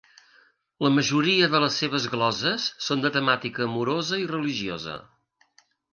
La majoria de les seves gloses són de temàtica amorosa i religiosa.